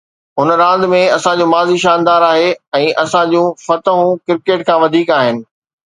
هن راند ۾ اسان جو ماضي شاندار آهي ۽ اسان جون فتحون ڪرڪيٽ کان وڌيڪ آهن.